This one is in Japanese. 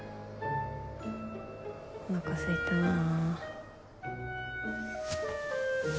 おなかすいたなあ。